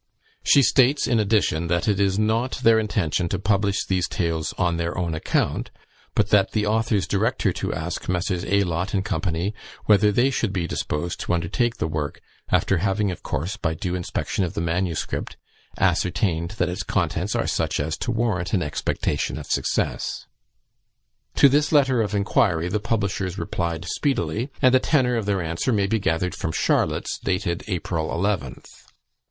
She states, in addition, that it is not their intention to publish these tales on their own account; but that the authors direct her to ask Messrs. Aylott and Co. whether they would be disposed to undertake the work, after having, of course, by due inspection of the MS., ascertained that its contents are such as to warrant an expectation of success. To this letter of inquiry the publishers replied speedily, and the tenor of their answer may be gathered from Charlotte's, dated April 11th.